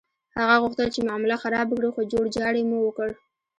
هغه غوښتل چې معامله خرابه کړي، خو جوړجاړی مو وکړ.